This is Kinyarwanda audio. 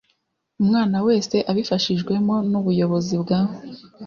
Umwana wese abifashijwemo n ubuyobozi bwa